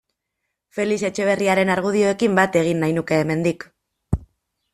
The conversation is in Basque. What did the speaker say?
Felix Etxeberriaren argudioekin bat egin nahi nuke hemendik.